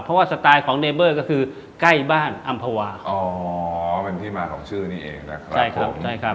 เพราะว่าสไตล์ของเนเบอร์ก็คือใกล้บ้านอัมพวาอ๋อมันที่มาของชื่อนี่เองนะครับผม